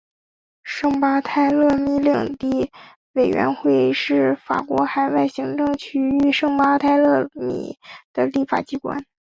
圣巴泰勒米领地委员会是法国海外行政区域圣巴泰勒米的立法机关。